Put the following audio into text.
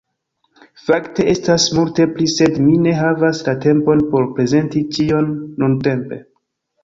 Fakte, estas multe pli sed mi ne havas la tempon por prezenti ĉion nuntempe